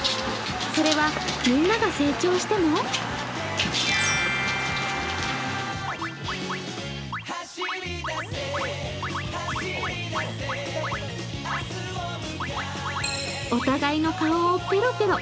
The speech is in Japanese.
それは、みんなが成長してもお互いの顔をペロペロ。